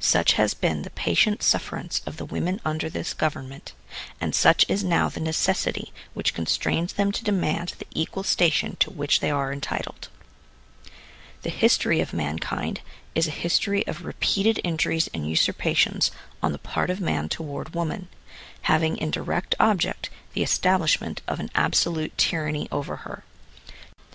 Such has been the patient sufferance of the women under this government, and such is now the necessity which con strains them to demand the equal station to which they are entitled. The history of mankind is a history of repeated injuries and usurpa tions on the part of man toward woman, having in direct object the estab lishment of an absolute tyranny over her.